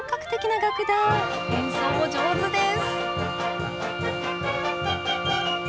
演奏も上手です。